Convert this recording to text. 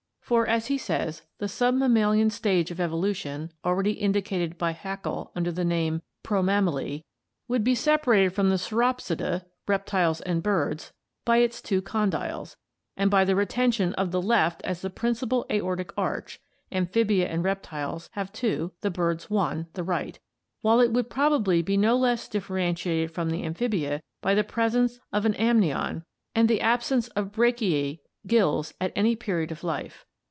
For, as he says, the submammalian stage of evolution (already indicated by Haeckel under the name Promammale) "would be separated from the Sauropsida [reptiles and birds] by its two condyles, and by the reten tion of the left as the principal aortic arch [amphibia and reptiles have two; the birds one, the right]; while it would probably be no less differen tiated from the amphibia by the presence of an amnion [see page 494] and the absence of branchiae [gills] at any period of life.